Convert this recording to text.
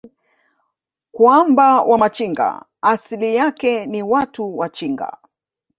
kwamba Wamachinga asili yake ni Watu wa chinga